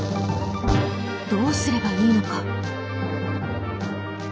どうすればいいのか。